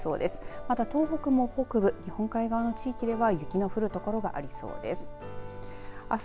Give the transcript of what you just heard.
また東北も北部、日本海側の地域では雪の降る地域がありそうです。